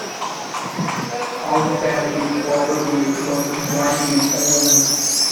All family property was jointly owned.